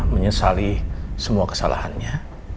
menyesali semua kesalahannya